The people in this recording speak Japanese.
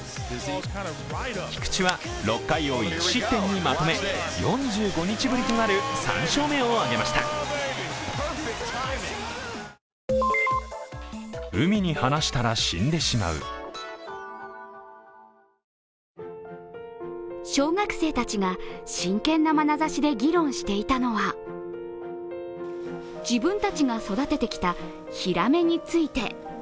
菊池は６回を１失点にまとめ４５日ぶりとなる３勝目を挙げました小学生たちが真剣なまなざしで議論していたのは自分たちが育ててきたヒラメについて。